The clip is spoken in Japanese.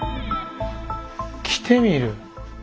着てみる。